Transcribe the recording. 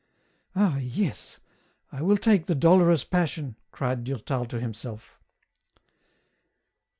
*' Ah, yes ; I will take the ' Dolorous Passion 1 ' cried Durtal to himself.